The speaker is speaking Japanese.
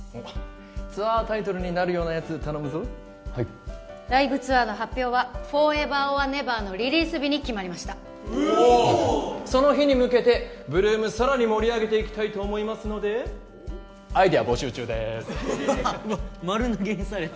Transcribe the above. ツアータイトルになるようなやつ頼むぞはいライブツアーの発表は「ＦｏｒｅｖｅｒｏｒＮｅｖｅｒ」のリリース日に決まりましたおおその日に向けて８ＬＯＯＭさらに盛り上げていきたいと思いますのでアイデア募集中ですうわ丸投げされた